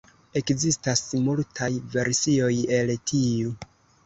Ekzistas multaj versioj el tiu.